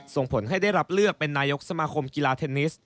ส่งผลให้ได้รับเลือกเป็นนายกสมาคมกีฬาเทนนิส